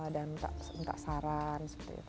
dan minta saran